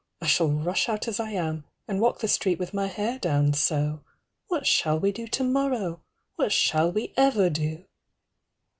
I shall rush out as I am, and walk the street "With my hair down, so. What shall we do tomorrow? "What shall we ever do?"